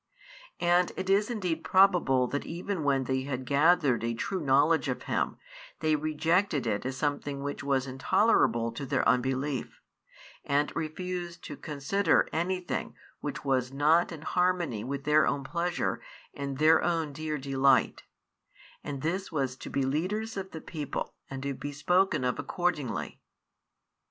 And it is indeed |72 probable that even when they had gathered a true knowledge of Him, they rejected it as something which was intolerable to their unbelief, and refused to consider anything which was not in harmony with their own pleasure and their own dear delight; and this was to be leaders of the people and to be spoken of accordingly.